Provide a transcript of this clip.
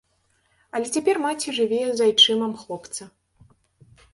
Але цяпер маці жыве з айчымам хлопца.